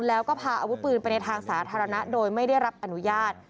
แล้วก็พาอาวุธปืนไปในทางสาธารณะโดยไม่ได้รับอนุญาต